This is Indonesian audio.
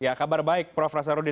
ya kabar baik prof nasarudin